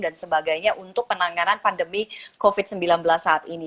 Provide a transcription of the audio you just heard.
dan sebagainya untuk penanganan pandemi covid sembilan belas saat ini